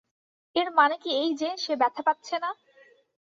এর মানে কি এই যে, সে ব্যথা পাচ্ছে না?